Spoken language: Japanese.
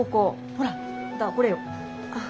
ほらこれよ。